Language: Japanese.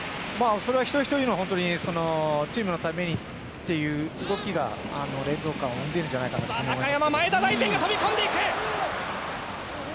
一人ひとりのチームのためにっていう動きが連動感を生んでいるんじゃないかと思います。